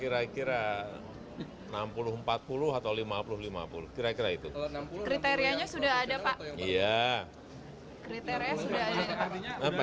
ya nanti dilihat lah nanti kalau keluar kan dilihat